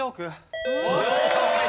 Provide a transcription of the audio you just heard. すごい。